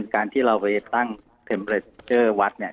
การที่เราไปตั้งเทมเลสเจอร์วัดเนี่ย